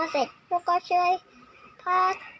เสียใจค่ะ